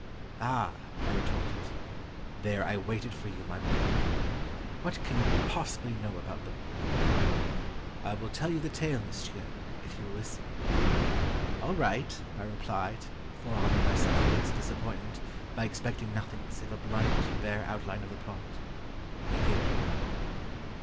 "Ah," I retorted, "there I waited for you, my boy! What can you possibly know about the book?" "I wiU tell you the tale, monsieur, if you will listen." "All right," I rephed, forearming myself against dis appointment by expecting nothing save a blimt, bare outline of the plot; ''begin."